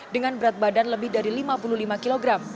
dengan berat badan lebih dari lima puluh lima kg